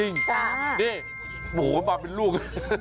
นี่โอ้โหมันมาเป็นลูก